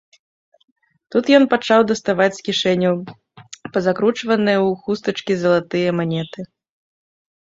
Тут ён пачаў даставаць з кішэняў пазакручваныя ў хустачкі залатыя манеты.